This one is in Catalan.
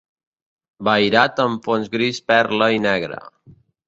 Vairat amb fons gris perla i negre.